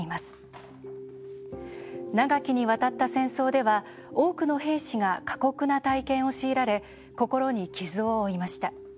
長きにわたった戦争では多くの兵士が過酷な体験を強いられ心に傷を負いました。